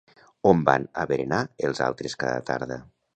On van a berenar els altres cada tarda?